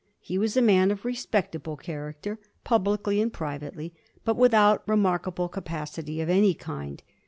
He was a man of respectable character, publicly and privately, but without remarkable capacity of any kind.